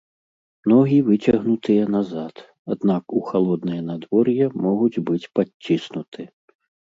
Ногі выцягнутыя назад, аднак у халоднае надвор'е могуць быць падціснуты.